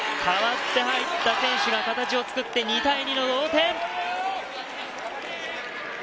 代わって入った選手が形を作って２対２の同点。